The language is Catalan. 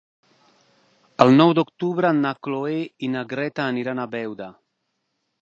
El nou d'octubre na Cloè i na Greta aniran a Beuda.